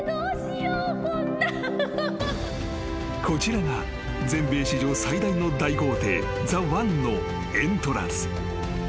［こちらが全米史上最大の大豪邸ＴＨＥＯＮＥのエントランス］